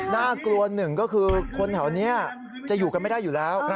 น่ากลัวหนึ่งก็คือคนแถวนี้จะอยู่กันไม่ได้อยู่แล้ว